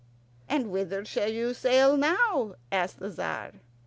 "And whither shall you sail now?" asked the Tzar.